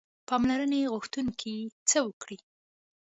پاملرنې غوښتونکي څه وکړو.